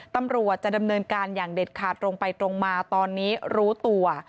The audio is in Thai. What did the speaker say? ตำรวจจะดำเนินการอย่างเด็ดขาดตรงไปตรงมาตอนนี้รู้ตัว